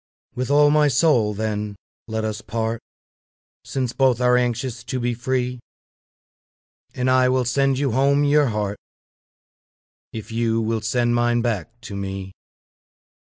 With all my soul, then, let us part, Since both are anxious to be free; And I will sand you home your heart, If you will send mine back to me.